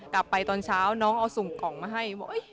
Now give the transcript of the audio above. กลับไปตอนเช้าน้องเอาส่งกล่องมาให้